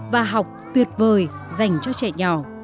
và học tuyệt vời dành cho trẻ nhỏ